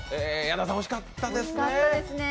矢田さん惜しかったですね。